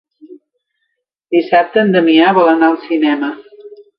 Dissabte en Damià vol anar al cinema.